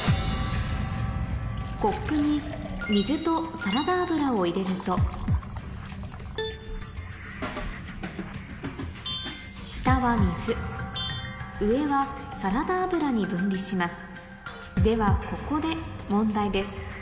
コップに水とサラダ油を入れると下は水上はサラダ油に分離しますではここで問題です